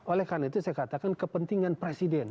oleh karena itu saya katakan kepentingan presiden